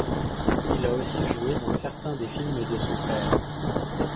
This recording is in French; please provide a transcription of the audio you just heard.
Il a aussi joué dans certains des films de son père.